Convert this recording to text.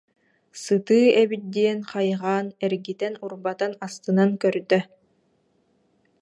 Сытыы эбит диэн хайҕаан эргитэн-урбатан астынан көрдө